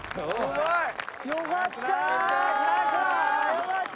よかった！